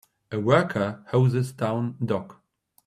A worker hoses down dock.